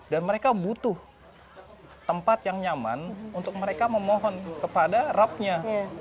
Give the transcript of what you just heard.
dan mereka butuh tempat yang nyaman untuk mereka memohon kepada rabnya